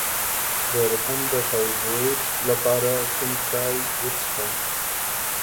د رحم د فایبرویډ لپاره کوم چای وڅښم؟